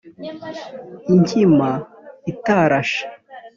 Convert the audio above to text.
inkima itarashe